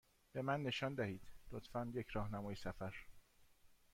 به من نشان دهید، لطفا، یک راهنمای سفر.